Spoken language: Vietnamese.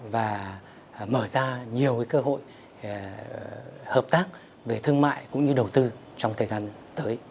và mở ra nhiều cơ hội hợp tác về thương mại cũng như đầu tư trong thời gian tới